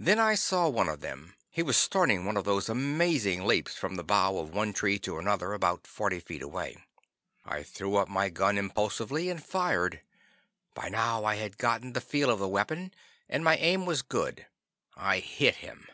Then I saw one of them. He was starting one of those amazing leaps from the bough of one tree to another, about forty feet away. I threw up my gun impulsively and fired. By now I had gotten the feel of the weapon, and my aim was good. I hit him.